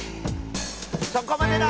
そこまでだ！